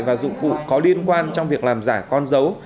và dụng cụ có liên quan trong việc làm giả con dấu